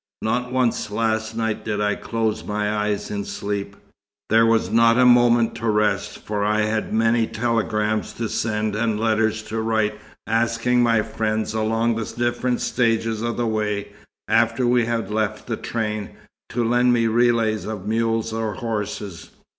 Not once last night did I close my eyes in sleep. There was not a moment to rest, for I had many telegrams to send, and letters to write, asking my friends along the different stages of the way, after we have left the train, to lend me relays of mules or horses.